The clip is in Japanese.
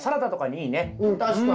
確かに。